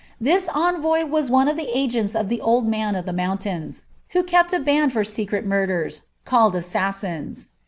This envoy was I BgentB of the Old Man of the Mountains, who kept a band murders, called Assassins.